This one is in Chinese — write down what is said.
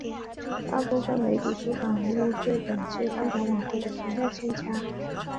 大部分媒体出版物对本届颁奖晚会的评价欠佳。